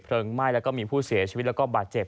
ไหม้แล้วก็มีผู้เสียชีวิตแล้วก็บาดเจ็บ